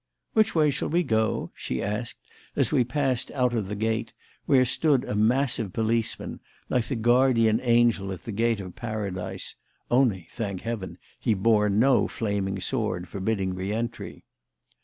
"Which way shall we go?" she asked as we passed out of the gate, where stood a massive policeman, like the guardian angel at the gate of Paradise (only, thank Heaven! he bore no flaming sword forbidding reentry).